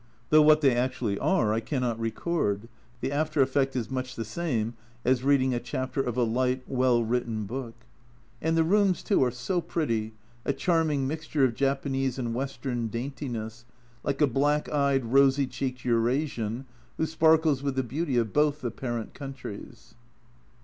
Though what they actually are I cannot record, the after effect is much the same as reading a chapter of a light, well written book. And the rooms too are so pretty, a charming mixture of Japanese and Western daintiness, like a black eyed rosy cheeked Eurasian, who sparkles with the beauty of both the parent countries.